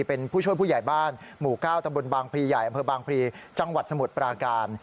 เป็นผู้ช่วยผู้ใหญ่บ้านหมู่ก้าวตำบลบางพีจังหวัดสมุดปราการ